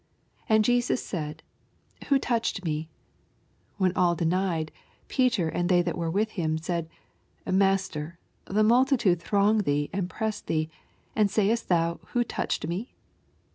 45 And Jesus sud, Who touched me ? When all denied, Peter and they that were with him, said, MaBter, the multitude throng thee and press tJiee. and sayest thou, Who touched me?